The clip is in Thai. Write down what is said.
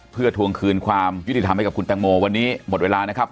เพื่อทวงคืนความยุติธรรมให้กับคุณแตงโมวันนี้หมดเวลานะครับ